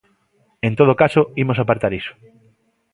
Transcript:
En todo caso, imos apartar iso.